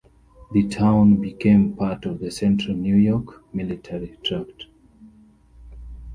The town became part of the Central New York Military Tract.